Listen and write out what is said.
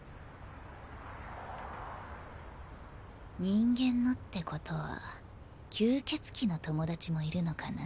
「人間の」ってことは吸血鬼の友達もいるのかな？